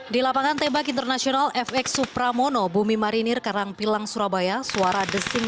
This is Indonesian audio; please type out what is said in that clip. di lapangan tembak internasional fx supramono bumi marinir karangpilang surabaya suara desing